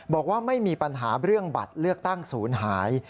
บอกว่าไม่มีปัญหาเรื่องบัตรเลือกตั้งศูนย์หาย